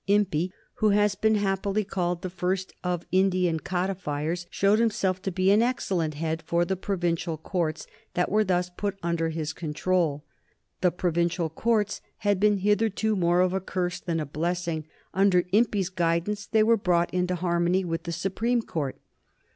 Impey, who has been happily called the first of Indian codifiers, showed himself to be an excellent head for the provincial courts that were thus put under his control. The provincial courts had been hitherto more of a curse than a blessing; under Impey's guidance they were brought into harmony with the Supreme Court.